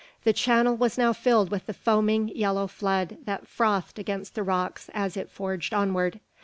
The channel was now filled with the foaming yellow flood that frothed against the rocks as it forged onward.